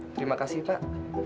terima kasih pak